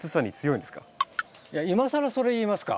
いや今更それ言いますか？